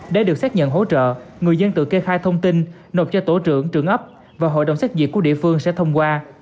để được xác nhận hỗ trợ người dân tự kê khai thông tin nộp cho tổ trưởng trưởng ấp và hội đồng xác diện của địa phương sẽ thông qua